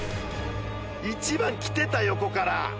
１番来てた横から。